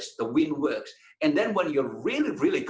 anda menembaknya dengan bola kembali besar